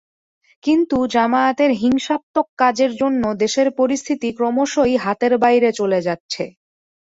কিন্তু জামায়াতের হিংসাত্মক কাজের জন্য দেশের পরিস্থিতি ক্রমশই হাতের বাইরে চলে যাচ্ছে।